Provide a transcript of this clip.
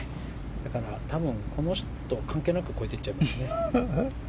だから多分この人、関係なく越えてっちゃいますけどね。